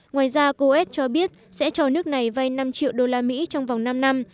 ngoài ra coes cho biết sẽ cho nước này vai năm triệu đô la mỹ trong vòng năm năm